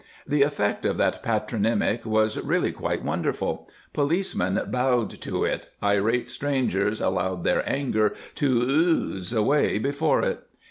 The effect of that patronymic was really quite wonderful; policemen bowed to it, irate strangers allowed their anger to ooze away before it.